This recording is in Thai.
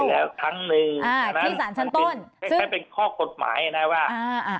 ไปแล้วทั้งหนึ่งอ่าที่สารชั้นต้นซึ่งให้เป็นข้อกฎหมายนะว่าอ่า